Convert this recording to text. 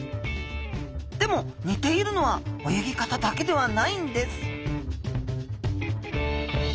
でもにているのは泳ぎ方だけではないんです・